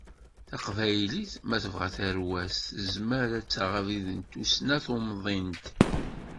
Taqbaylit, ma tebɣa tarwa-s, tezmer ad taɣ abrid n tussna tumḍint.